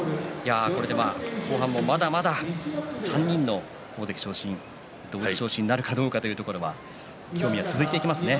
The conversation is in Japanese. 後半も、まだまだ３人の大関昇進同時昇進なるかというところは興味が続いていきますね。